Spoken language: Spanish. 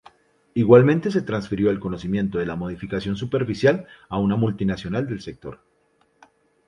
Igualmente se transfirió el conocimiento de la modificación superficial a una multinacional del sector.